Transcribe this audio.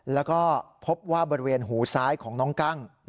แล้วก็พบว่าบริเวณหูซ้ายของน้องกั้ง